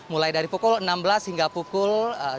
mulai dari pukul enam belas hingga pukul dua puluh